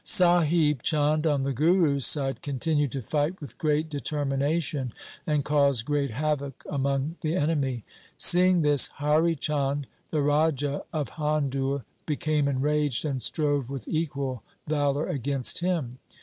Sahib Chand, on the Guru's side, continued to fight with great determination, and caused great havoc among the enemy. Seeing this, Hari Chand, the Raja of Handur, became enraged and strove with equal valour against him.